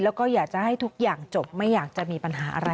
แล้วก็อยากจะให้ทุกอย่างจบไม่อยากจะมีปัญหาอะไร